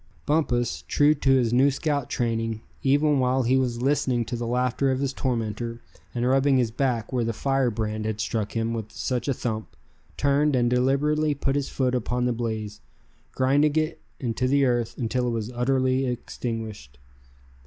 Bumpus, true to his new scout training, even while he was listening to the laughter of his tormentor, and rubbing his back where the fire brand had struck him with such a thump; turned, and deliberately put his foot upon the blaze, grinding it into the earth until it was utterly extinguished.